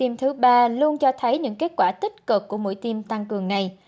hiệu quả của mũi tiêm thứ ba luôn cho thấy những kết quả tích cực của mũi tiêm tăng cường này